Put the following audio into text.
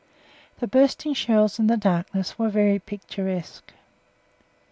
The bursting shells in the darkness were very picturesque.